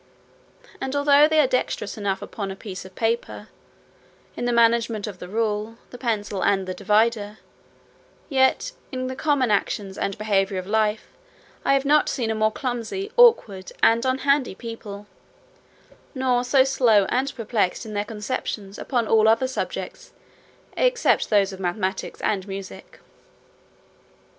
And although they are dexterous enough upon a piece of paper, in the management of the rule, the pencil, and the divider, yet in the common actions and behaviour of life, I have not seen a more clumsy, awkward, and unhandy people, nor so slow and perplexed in their conceptions upon all other subjects, except those of mathematics and music.